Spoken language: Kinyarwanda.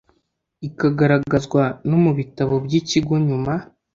ikagaragazwa no mu bitabo by ikigo nyuma